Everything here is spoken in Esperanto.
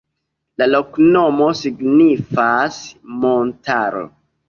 La loknomo signifas: montaro.